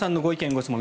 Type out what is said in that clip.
・ご質問